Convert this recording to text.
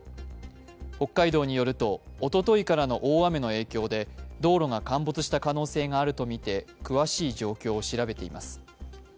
北海道によると、おとといからの大雨の影響で道路が陥没した可能性があるとみて、詳しい状況を調べています。